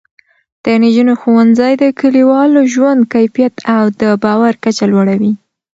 د نجونو ښوونځی د کلیوالو ژوند کیفیت او د باور کچه لوړوي.